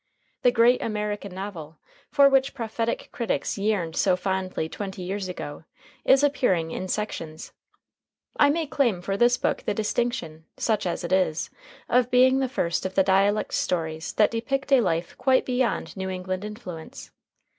The "great American novel," for which prophetic critics yearned so fondly twenty years ago, is appearing in sections. I may claim for this book the distinction, such as it is, of being the first of the dialect stories that depict a life quite beyond New England influence.